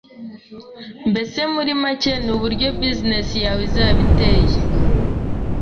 mbese muri make ni uburyo business yawe izaba iteye